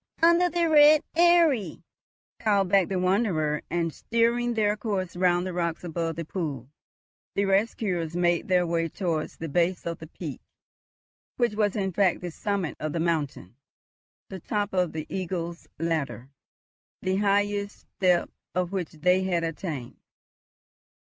Under the Red Eyrie," called back the wanderer; and steering their course round the rocks above the pool, the rescuers made their way towards the base of the peak, which was in fact the summit of the mountain, the top of the Eagle's Ladder, the highest step of which they had attained.